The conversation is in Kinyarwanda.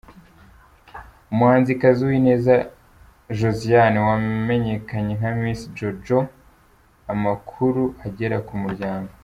Umuhanzikazi Uwineza Josiane wamenyakanye nka Miss Jojo, amakuru agera ku Umuryango.